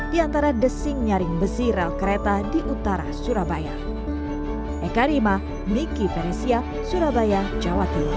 di antara desing nyaring besi rel kereta di utara surabaya